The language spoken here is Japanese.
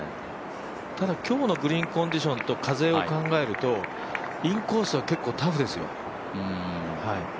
今日のグリーンコンディションと風を考えるとインコースは結構タフですよ。